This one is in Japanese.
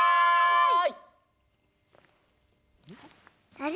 あれ？